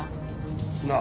なあ。